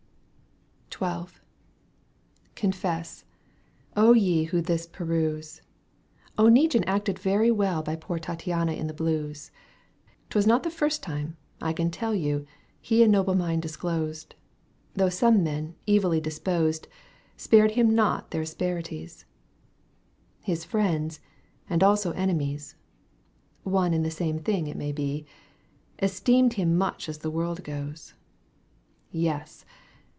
Digitized by VjOOQ 1С 106 EUGENE ON^GUINE. canto iv. XII. Confess, ye who this peruse, Oneguine acted very well By poor Tattiana in the blues ; 'Twas not the first time, I can tell 1 Я, You, he a noble mind disclosed, Though some men, evilly disposed, Spared him not their asperities. His friends and also enemies (One and the same thing it may be) Esteemed him much as the worid goes. Yes